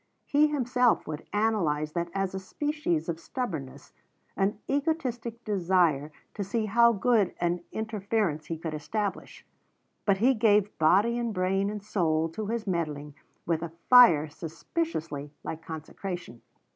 He himself would analyse that as a species of stubbornness, an egotistic desire to see how good an interference he could establish, but he gave body and brain and soul to his meddling with a fire suspiciously like consecration.